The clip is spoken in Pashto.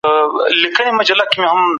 احمد شاه ابدالي ډیلي ته څنګه داخل سو؟